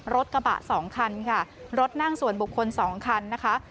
รถกระบะสองคันค่ะรถนั่งส่วนบุคคล๒คันนะคะ